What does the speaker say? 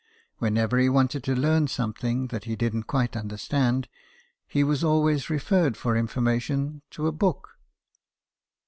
Whenever he wanted to learn something that he didn't quite understand, he was always referred for informa tion to a Book.